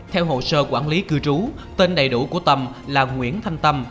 theo hồ sơ quản lý cư trú tên đầy đủ của tâm là nguyễn thanh tâm